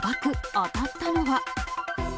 当たったのは。